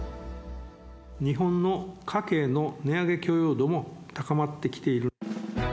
日本の家計の値上げ許容度も高まってきている。